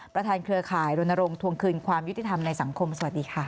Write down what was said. เครือข่ายรณรงควงคืนความยุติธรรมในสังคมสวัสดีค่ะ